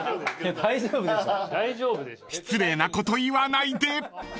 ［失礼なこと言わないで］